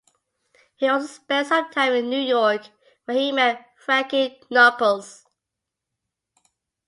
He also spent some time in New York where he met Frankie Knuckles.